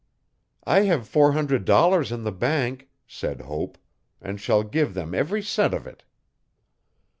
'I have four hundred dollars in the bank,' said Hope, 'and shall give them every cent of it.